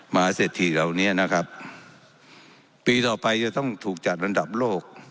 มหาเศรษฐีเหล่านี้นะครับปีต่อไปจะต้องถูกจัดอันดับโลก